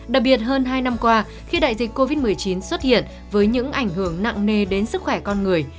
đặc biệt hơn hai năm qua khi đại dịch covid một mươi chín xuất hiện với những ảnh hưởng nặng nề đến sức khỏe con người